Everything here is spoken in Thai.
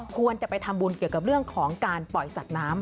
ควรจะไปทำบุญเกี่ยวกับเรื่องของการปล่อยสัตว์น้ำ